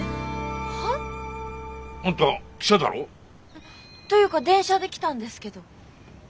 は？あんた記者だろ？というか電車で来たんですけど。